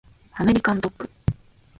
アメリカンドッグ